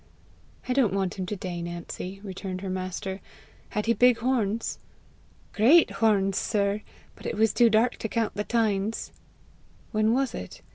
"I don't want him to day, Nancy," returned her master. "Had he big horns?" "Great horns, sir; but it was too dark to count the tines." "When was it?